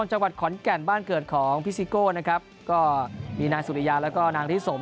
จังหวัดขอนแก่นบ้านเกิดของพี่ซิโก้นะครับก็มีนางสุริยาแล้วก็นางริสม